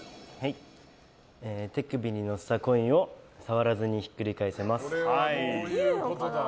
手首に乗せたコインを触らずにひっくり返せます。